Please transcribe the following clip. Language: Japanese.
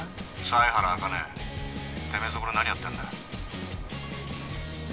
犀原茜てめぇそこで何やってんだ。